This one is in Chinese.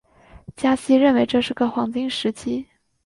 加西认为这是个黄金时机。